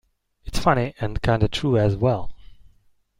It's funny, and kinda true as well!